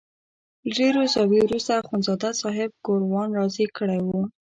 له ډېرو زاریو وروسته اخندزاده صاحب ګوروان راضي کړی وو.